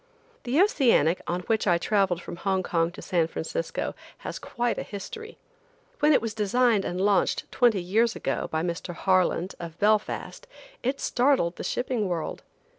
The Oceanic, on which I traveled from Hong Kong to San Francisco, has quite a history. When it was designed and launched twenty years ago by Mr. Harland, of Belfast, it startled the shipping world.